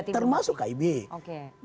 termasuk kib berarti